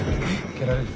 蹴られるよ。